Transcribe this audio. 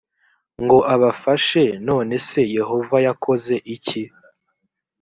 ngo abafashe none se yehova yakoze iki